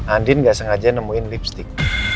andin gak sengaja nemuin lipstick